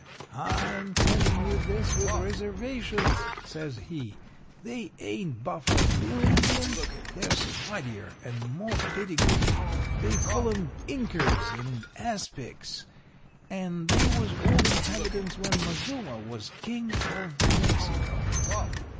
"'I'm telling you this with reservations,' says he. 'They ain't Buffalo Bill Indians; they're squattier and more pedigreed. They call 'em Inkers and Aspics, and they was old inhabitants when Mazuma was King of Mexico.